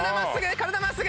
体真っすぐ！